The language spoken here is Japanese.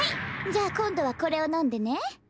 じゃあこんどはこれをのんでね。